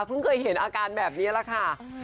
เคยเห็นอาการแบบนี้แหละค่ะ